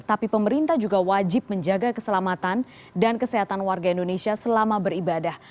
tapi pemerintah juga wajib menjaga keselamatan dan kesehatan warga indonesia selama beribadah